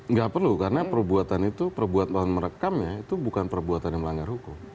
nggak perlu karena perbuatan itu perbuatan merekam ya itu bukan perbuatan yang melanggar hukum